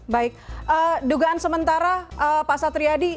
baik dugaan sementara pak satriadi